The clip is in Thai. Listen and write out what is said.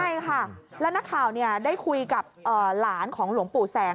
ใช่ค่ะแล้วนักข่าวได้คุยกับหลานของหลวงปู่แสง